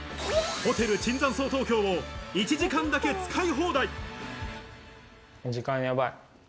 ホテル椿山荘東京を１時間だけ使い放題！